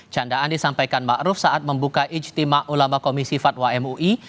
candaan disampaikan ma ruf saat membuka ijtima ulama komisi fatwa mui